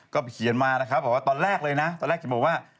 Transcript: ก็เขียนมานะครับบอกว่าตอนแรกเลยนะตอนแรกจะบอกว่า